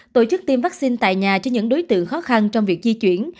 trước tiêm vaccine tại nhà cho những đối tượng khó khăn trong việc di chuyển